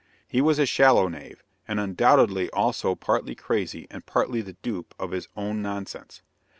He was a shallow knave, and undoubtedly also partly crazy and partly the dupe of his own nonsense.